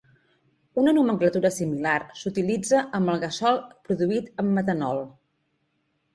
Una nomenclatura similar s'utilitza amb el gasohol produït amb metanol.